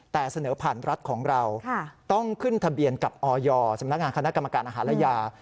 แต่เสนอผ่านรัฐของเราต้องขึ้นทะเบียนกับออยสำนักงานคณะกรรมการอาหารและยา